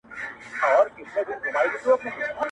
ستا د يو ټکى د جفا نه مو څۀ څۀ نۀ کړه زده